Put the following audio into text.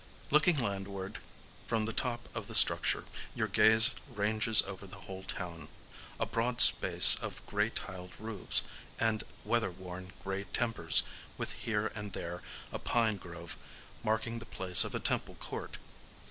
Looking landward from the top of the structure, your gaze ranges over the whole town,—a broad space of grey tiled roofs and weather worn grey timbers, with here and there a pine grove marking the place of a temple court.